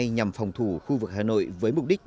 nhằm phòng thủ khu vực hà nội với mục đích